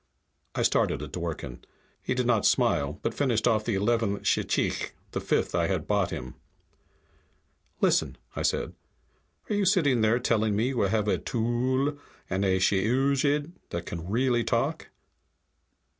I started at Dworken. He did not smile, but finished off the eleventh shchikh the fifth I had bought him. "Listen," I said. "Are you sitting there telling me you have a tllooll and a shiyooch'iid that can really talk?"